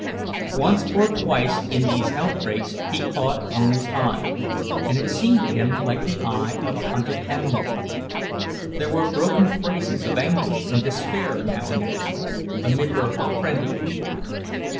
Once or twice in these outbreaks he caught Ona's eye, and it seemed to him like the eye of a hunted animal; there were broken phrases of anguish and despair now and then, amid her frantic weeping.